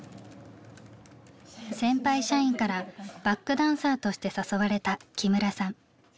先輩社員からバックダンサーとして誘われた木村さん。